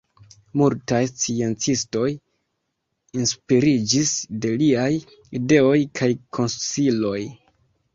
Multaj sciencistoj inspiriĝis de liaj ideoj kaj konsiloj.